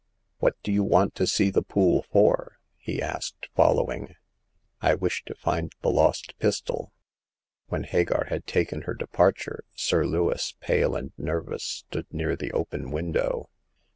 What do you want to see the pool for ?" he asked, following. " I wish to find the lost pistol." When Hagar had taken her departure. Sir Lewis, pale and nervous, stood near the open window.